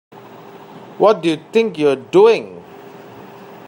What do you think you're doing?